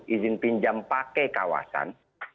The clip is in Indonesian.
izin pinjam pakai kawasan